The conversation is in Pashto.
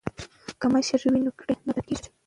که مشر وي نو پریکړه نه پاتې کیږي.